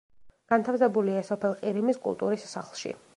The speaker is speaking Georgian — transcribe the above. განთავსებულია სოფელ ყირიმის კულტურის სახლში.